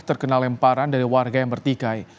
terkena lemparan dari warga yang bertikai